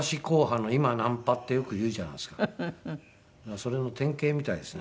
それの典型みたいですね。